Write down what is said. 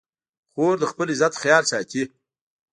خور د خپل عزت خیال ساتي.